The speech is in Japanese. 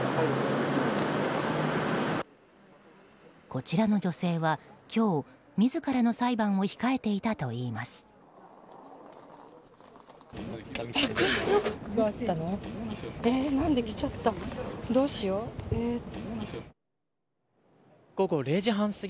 こちらの女性は今日自らの裁判を控えていたといいます。